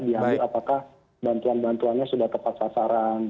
jadi apakah bantuan bantuannya sudah tepat sasaran